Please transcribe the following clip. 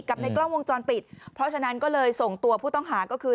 ในกล้องวงจรปิดเพราะฉะนั้นก็เลยส่งตัวผู้ต้องหาก็คือ